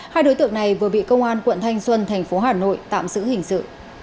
hai đối tượng này vừa bị công an quận thanh xuân tp hà nội tạm xử hình sự